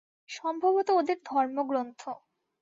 সম্ভবত ওদের ধর্মগ্রন্থ।